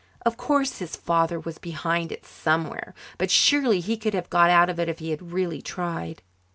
Of course his father was behind it somewhere, but surely he could have got out of it if he had really tried.